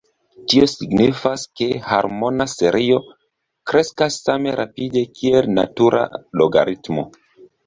Tio signifas, ke harmona serio kreskas same rapide kiel natura logaritmo.